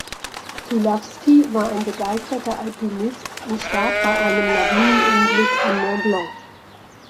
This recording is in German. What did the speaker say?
Żuławski war ein begeisterter Alpinist und starb bei einem Lawinenunglück am Mont Blanc.